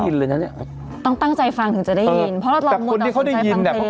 ไม่ได้ยินเลยนะเนี้ยต้องตั้งใจฟังถึงจะได้ยินเพราะเรารอบมือต่อสนใจฟังเพลงเนี้ย